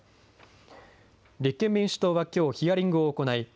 立憲民主党はきょうヒアリングを行い